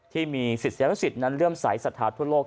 ที่มีศิษยาเศรษฐิสิทธิ์นั้นเรื่องใสสัทธาทั่วโลก